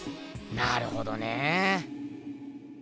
なるほどねえ。